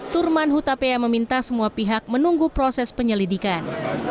turman hutapea meminta semua pihak menunggu proses penyelidikan